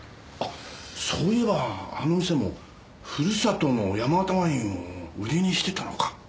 あっそういえばあの店もふるさとの山形ワインを売りにしてたのか。